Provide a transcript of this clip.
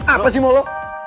apa sih mulu